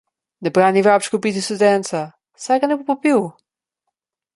Ne brani vrabčku piti iz studenca, saj ga ne bo popil!